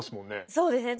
そうですね。